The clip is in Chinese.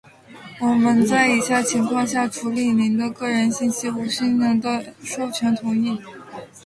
我们在以下情况下处理您的个人信息无需您的授权同意：